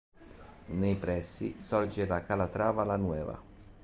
Nei pressi sorge la Calatrava la Nueva.